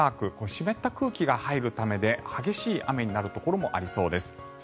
湿った空気が入るためで激しい雨になるところもありそうです。